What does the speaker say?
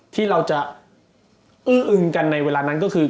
ที่เราจะอื้ออึงกันในเวลานั้นก็คือ